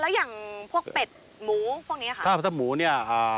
แล้วอย่างพวกเป็ดหมูพวกนี้ค่ะ